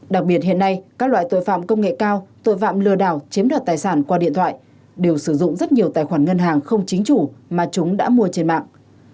đặc biệt hiện nay các loại tội phạm công nghệ cao tội phạm lừa đảo chiếm đoạt tài sản qua điện thoại đều sử dụng rất nhiều tài khoản ngân hàng không chính chủ mà chúng đã mua trên mạng